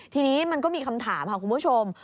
ทีนี้มันก็มีคำถามค่ะคุณผู้ชม